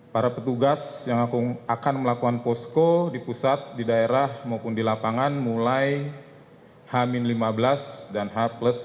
para petugas yang akan melakukan posko di pusat di daerah maupun di lapangan mulai h lima belas dan h tiga